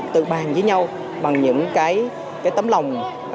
tự bàn với nhau bằng những cái tấm lòng